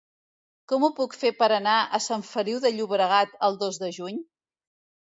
Com ho puc fer per anar a Sant Feliu de Llobregat el dos de juny?